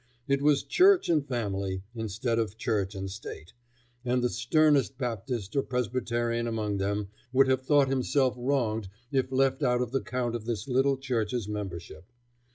It was church and family, instead of Church and State, and the sternest Baptist or Presbyterian among them would have thought himself wronged if left out of the count of this little church's membership.